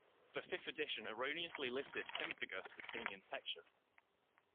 The fifth edition erroneously listed pemphigus as being infectious.